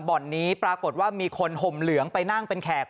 บ่อนนี้ปรากฏว่ามีคนห่มเหลืองไปนั่งเป็นแขก